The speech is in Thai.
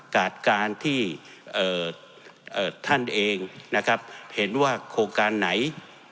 กาศการณ์ที่ท่านเองเห็นว่าโครงการไหน